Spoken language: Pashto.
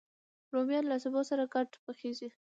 رومیان له سبو سره ګډ پخېږي